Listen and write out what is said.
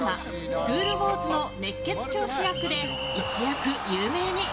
「スクール☆ウォーズ」の熱血教師役で、一躍有名に。